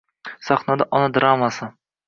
Sahnada “Ona” dramasi